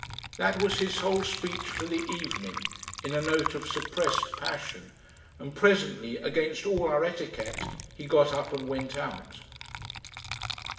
That was his whole speech for the evening, in a note of suppressed passion, and presently, against all our etiquette, he got up and went out.